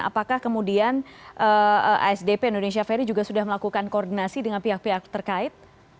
apakah kemudian asdp indonesia ferry juga sudah melakukan koordinasi dengan pihak pihak terkait